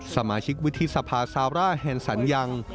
สมาชิกวิทยศภาสาวร่าแฮนสันยัง